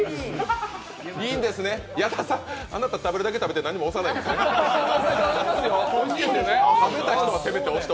矢田さん、あなた食べるだけ食べて何も押さないんですね。